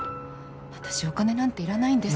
私お金なんていらないんです